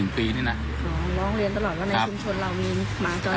ร้องเรียนตลอดว่าในชุมชนเรามีหมาจร